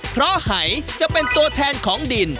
เพราะหายจะเป็นตัวแทนของดิน